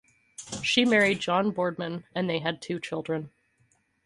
She married John Boardman and they had two children.